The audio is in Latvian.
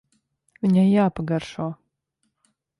Viņai jāpagaršo.